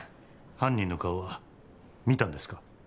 犯人の顔は見たんですか？